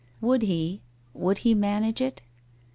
Would he — would he manage it